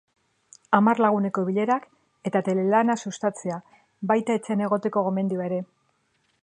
Hamar laguneko bilerak eta telelana sustatzea, baita etxean egoteko gomendioa ere.